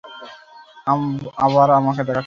আবার আমাকে দেখাচ্ছে।